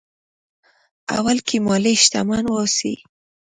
اول کې مالي شتمن واوسي.